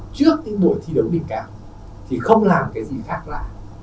trước mỗi thi đấu bình cảm thì không làm cái gì khác lạ